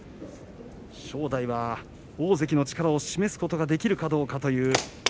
正代は大関の力を示すことができるかどうか。